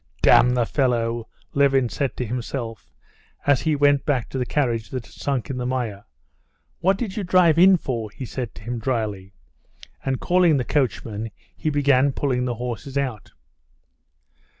"Damn the fellow!" Levin said to himself, as he went back to the carriage that had sunk in the mire. "What did you drive in for?" he said to him dryly, and calling the coachman, he began pulling the horses out.